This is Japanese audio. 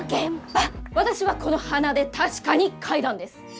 私はこの鼻で確かに嗅いだんです。